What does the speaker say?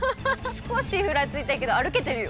すこしふらついたけどあるけてるよ！